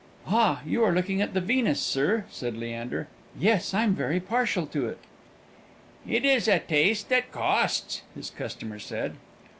"Ah! you are looking at the Venus, sir," said Leander. "Yes, I'm very partial to it." "It is a taste that costs," his customer said.